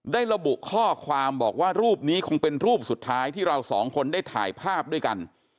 ระบุข้อความบอกว่ารูปนี้คงเป็นรูปสุดท้ายที่เราสองคนได้ถ่ายภาพด้วยกัน